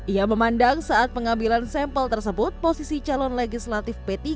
ia memandang saat pengambilan sampel tersebut posisi calon legislatif p tiga